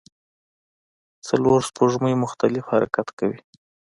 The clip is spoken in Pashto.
څلور سپوږمۍ مختلف حرکت کوي.